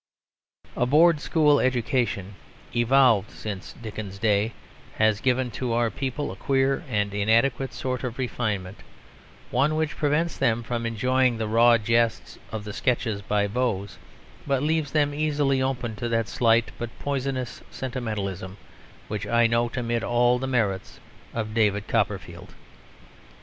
A Board School education, evolved since Dickens's day, has given to our people a queer and inadequate sort of refinement, one which prevents them from enjoying the raw jests of the Sketches by Boz, but leaves them easily open to that slight but poisonous sentimentalism which I note amid all the merits of David Copperfield.